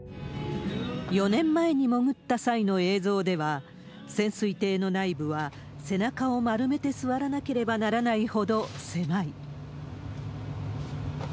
４年前に潜った際の映像では、潜水艇の内部は、背中を丸めて座らなければならないほど狭い。